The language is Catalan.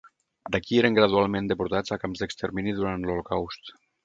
D'aquí eren gradualment deportats a camps d'extermini durant l'Holocaust.